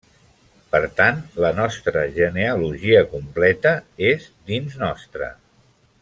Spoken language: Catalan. Per tant, la nostra genealogia completa és dins nostre.